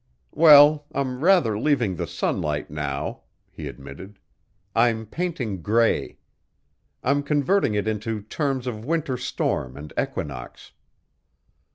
"Well, I'm rather leaving the sunlight now," he admitted. "I'm painting gray. I'm converting it into terms of winter storm and equinox.